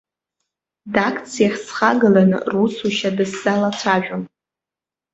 Дакциахь схагаланы русушьа дысзалацәажәон.